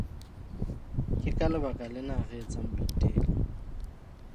Ke ka lebaka lena re etsang boiteko.